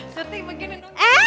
surti begini nungging